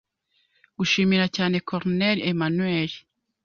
gushimira cyane Colonelle Emmanuel